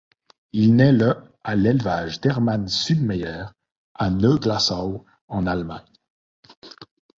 Il naît le à l'élevage d'Hermann Suedmeier, à Neu-Glasau en Allemagne.